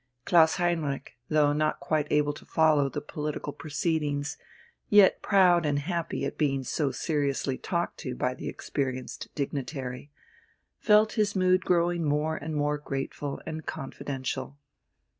Klaus Heinrich, though not quite able to follow the political proceedings, yet proud and happy at being so seriously talked to by the experienced dignitary, felt his mood growing more and more grateful and confidential.